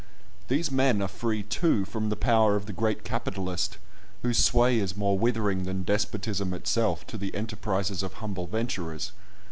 These men are free, too, from the power of the great capitalist, whose sway is more withering than despotism itself to the enterprises of humble venturers.